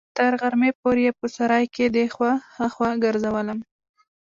تر غرمې پورې يې په سراى کښې دې خوا ها خوا ګرځولم.